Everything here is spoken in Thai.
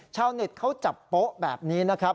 ชาวเน็ตเขาจับโป๊ะแบบนี้นะครับ